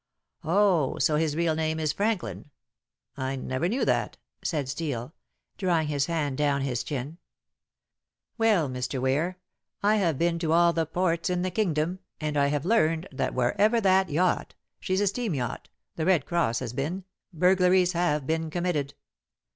"Oh! So his real name is Franklin. I never knew that," said Steel, drawing his hand down his chin. "Well, Mr. Ware, I have been to all the ports in the kingdom, and I have learned that wherever that yacht she's a steam yacht The Red Cross has been, burglaries have been committed.